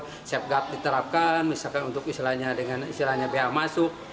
dengan membatasi impor sepgap diterapkan misalkan dengan isilahnya biaya masuk